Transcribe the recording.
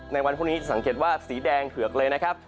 วันพรุ่งนี้จะสังเกตว่าสีแดงเผือกเลยนะครับ